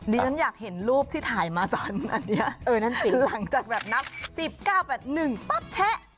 ดิฉันอยากเห็นรูปที่ถ่ายมาตอนนี้หลังจากแบบนับ๑๙แบบ๑ป๊อบแชะ